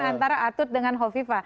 antara atut dengan hoviva